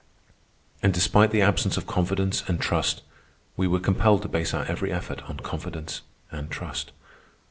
And despite the absence of confidence and trust we were compelled to base our every effort on confidence and trust.